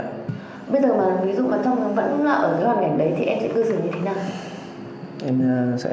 bây giờ mà ví dụ mà trong vấn đề vẫn là ở cái hoàn cảnh đấy thì em sẽ cư xử như thế nào